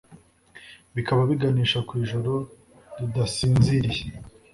bikaba biganisha ku ijoro ridasinziriye,